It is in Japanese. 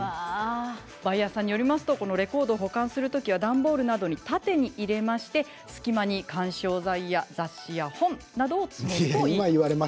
バイヤーさんによりますとこのレコードを保管する時は段ボールなどに縦に入れまして隙間に緩衝材や雑誌や本を詰めると、いいそうです。